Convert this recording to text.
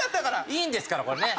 いいんですからこれね。